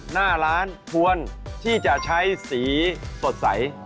หน้าร้านควรที่จะใช้สีสดใส